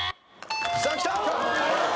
さあきた。